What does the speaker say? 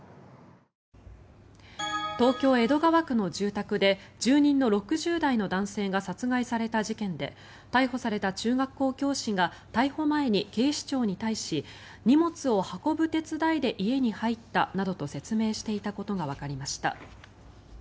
東京・江戸川区の住宅で住人の６０代の男性が殺害された事件で逮捕された中学校教師が逮捕前に警視庁に対し荷物を運ぶ手伝いで家に入ったなどと説明していたことがわかりました。